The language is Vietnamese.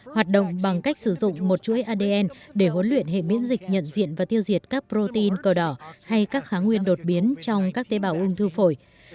hoạt động bằng cách sử dụng một chuỗi adn để huấn luyện hệ miễn dịch nhận diện và tiêu diệt các protein cờ đỏ hay các kháng nguyên đột biến trong các tế bào ung thư phổi